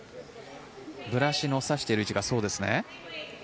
ブラシの指している位置がそうですね。